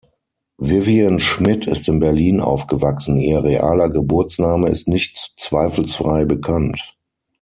Vivian Schmitt ist in Berlin aufgewachsen; ihr realer Geburtsname ist nicht zweifelsfrei bekannt.